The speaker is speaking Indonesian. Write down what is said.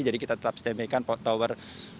jadi kita tetap stand by kan tower